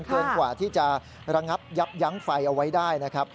เกินกว่าที่จะระงับยับยั้งไฟเอาไว้ได้นะครับ